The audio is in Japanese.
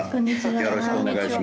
よろしくお願いします。